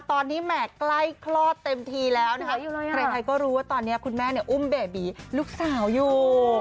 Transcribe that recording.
ตอนนี้แหม่ใกล้คลอดเต็มทีแล้วนะคะใครก็รู้ว่าตอนนี้คุณแม่เนี่ยอุ้มเบบีลูกสาวอยู่